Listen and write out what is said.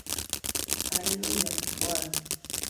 Hallelujah, Bwana